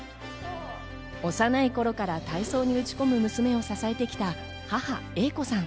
幼い頃から体操に打ち込む娘を支えてきた母・英子さん。